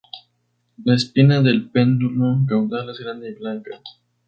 La espina del pedúnculo caudal es grande y blanca.